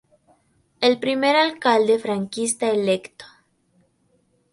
El primer alcalde franquista electo".